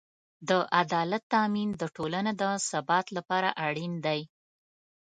د عدالت تأمین د ټولنې د ثبات لپاره اړین دی.